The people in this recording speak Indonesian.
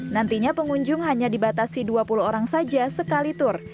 nantinya pengunjung hanya dibatasi dua puluh orang saja sekali tur